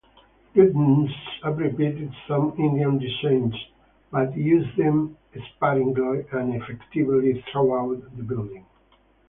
Lutyens appropriated some Indian designs, but used them sparingly and effectively throughout the building.